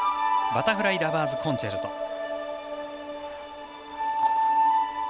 「バタフライラバーズコンチェルト」。